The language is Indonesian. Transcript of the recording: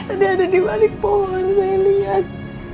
tadi ada di balik pohon saya lihat